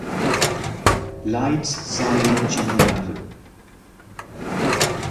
Lloyds சாலே சென்னை ஆறு.